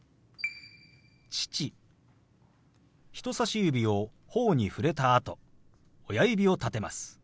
人さし指をほおに触れたあと親指を立てます。